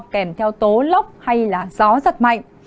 kèm theo tố lốc hay là gió rất mạnh